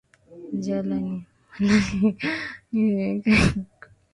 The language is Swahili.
Njala ni malali aieshimiaki mutu